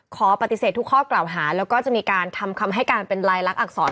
ขอปฏิเสธทุกข้อกล่าวหาแล้วก็จะมีการทำคำให้การเป็นลายลักษณอักษร